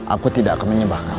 aku tidak akan menyembah kamu